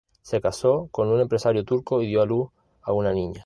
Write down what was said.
Se casó con un empresario turco y dio a luz a una niña.